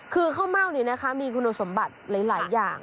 คือข้าวเม่านี้นะคะมีคุณสมบัติหลายอย่าง